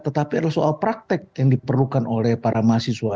tetapi adalah soal praktek yang diperlukan oleh para mahasiswa